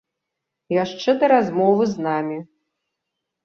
Яшчэ да размовы з намі.